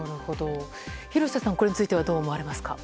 廣瀬さん、これについてはどう思いますか？